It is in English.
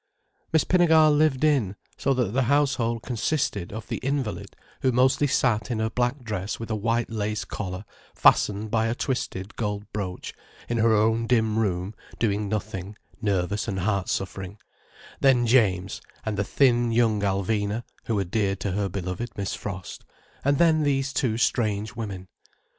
Miss Pinnegar lived in: so that the household consisted of the invalid, who mostly sat, in her black dress with a white lace collar fastened by a twisted gold brooch, in her own dim room, doing nothing, nervous and heart suffering; then James, and the thin young Alvina, who adhered to her beloved Miss Frost, and then these two strange women.